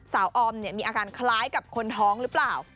ออมมีอาการคล้ายกับคนท้องหรือเปล่า